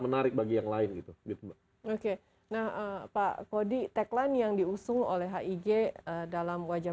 menarik bagi yang lain gitu gitu oke nah pak kody tagline yang diusung oleh hig dalam wajah